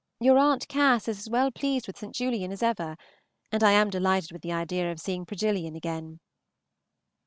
Your Aunt Cass is as well pleased with St. Julian as ever, and I am delighted with the idea of seeing Progillian again.